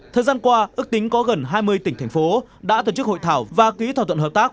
thời gian qua ước tính có gần hai mươi tỉnh thành phố đã tổ chức hội thảo và ký thỏa thuận hợp tác